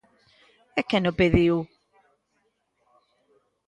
¿E quen o pediu?